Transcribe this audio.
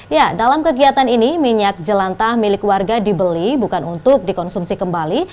ya dalam kegiatan ini minyak jelantah milik warga dibeli bukan untuk dikonsumsi kembali